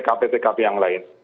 tkp tkp yang lain